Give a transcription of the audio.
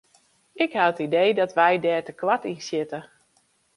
Ik ha it idee dat wy dêr te koart yn sjitte.